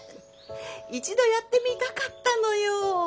一度やってみたかったのよ。